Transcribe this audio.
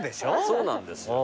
そうなんですよね。